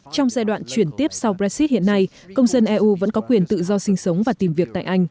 trong giai đoạn chuyển tiếp sau brexit hiện nay công dân eu vẫn có quyền tự do sinh sống và tìm việc tại anh